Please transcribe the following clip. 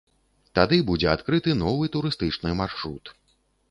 Тады будзе адкрыты новы турыстычны маршрут.